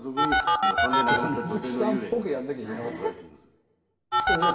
水木さんっぽくやんなきゃいけなかった。